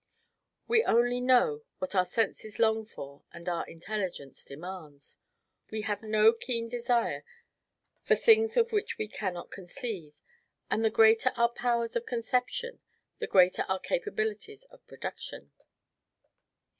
We only know what our senses long for and our intelligence demands; we have no keen desire for things of which we cannot conceive, and the greater our powers of conception, the greater our capabilities of production.